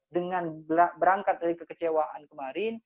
dengan berangkat dari kekecewaan kemarin